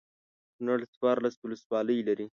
کنړ څوارلس ولسوالۍ لري.